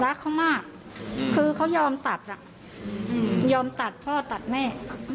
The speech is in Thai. รักเขามากคือเขายอมตัดอ่ะยอมตัดพ่อตัดแม่